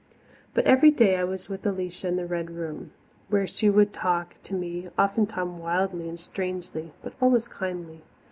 But every day I was with Alicia in the Red Room, where she would talk to me, oftentimes wildly and strangely, but always kindly.